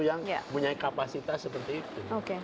yang punya kapasitas seperti itu